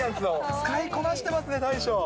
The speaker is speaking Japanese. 使いこなしてますね、大将。